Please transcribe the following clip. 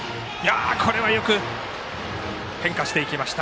よく変化していきました。